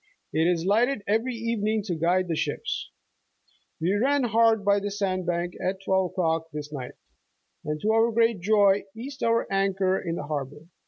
It is lig?ited every evening to guide the ships. We ran hard by a sand bank at twelve o'clock this night, and to our great joy, cast our anchor in the harbor."